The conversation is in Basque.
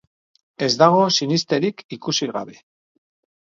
Ez dago sinesterik ikusi gabe.